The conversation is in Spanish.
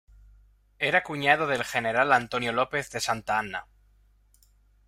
Era cuñado del general Antonio López de Santa Anna.